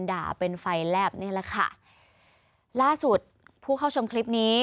ด่าเป็นไฟแลบนี่แหละค่ะล่าสุดผู้เข้าชมคลิปนี้